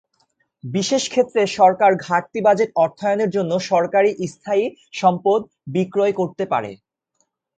বিশেষ ক্ষেত্রে সরকার ঘাটতি বাজেট অর্থায়নের জন্য সরকারি স্থায়ী সম্পদ বিক্রয় করতে পারে।